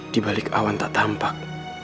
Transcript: di balik awan tak tampak